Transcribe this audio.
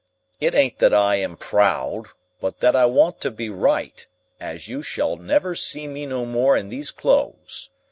It ain't that I am proud, but that I want to be right, as you shall never see me no more in these clothes.